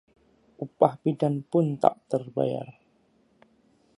Upah bidan pun tak terbayar